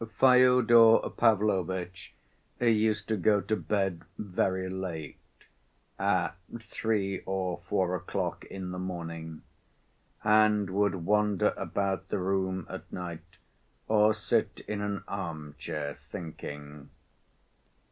Fyodor Pavlovitch used to go to bed very late, at three or four o'clock in the morning, and would wander about the room at night or sit in an arm‐chair, thinking.